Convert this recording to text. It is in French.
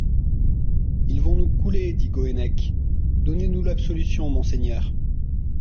Ils vont nous couler, dit Goennec ; donnez-nous l'absolution, monseigneur.